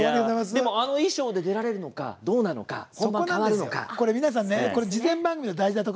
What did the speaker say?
でも、あの衣装で出られるのかどうなのか本番、変わるのか。